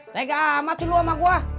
tega amat sih lu sama gua